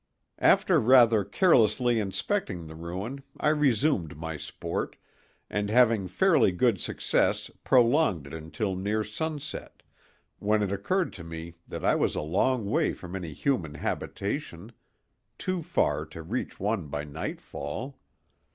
After rather carelessly inspecting the ruin I resumed my sport, and having fairly good success prolonged it until near sunset, when it occurred to me that I was a long way from any human habitation—too far to reach one by nightfall.